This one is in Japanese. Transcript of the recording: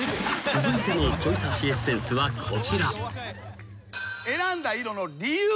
［続いてのちょい足しエッセンスはこちら］